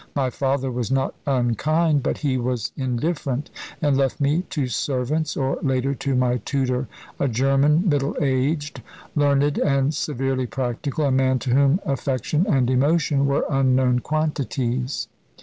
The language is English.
My father was not unkind, but he was indifferent, and left me to servants, or later to my tutor, a German, middle aged, learned, and severely practical, a man to whom affection and emotion were unknown quantities.